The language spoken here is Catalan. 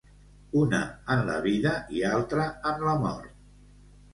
Una en la vida i altra en la mort.